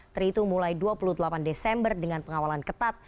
terhitung mulai dua puluh delapan desember dengan pengawalan ketat